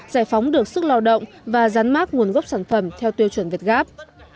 giải phóng được sức lao động và rán mát nguồn gốc sản phẩm theo tiêu chuẩn việt gáp